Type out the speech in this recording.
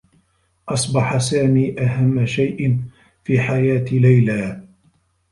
أصبح سامي أهمّ شيء في حياة ليلى.